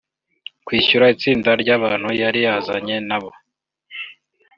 kwishyura itsinda ry’abantu yari yazanye na bo